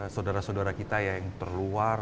saudara saudara kita yang terluar